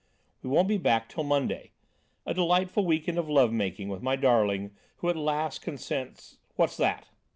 We won't be back till Monday. A delightful week end of love making with my darling who at last consents.... What's that!"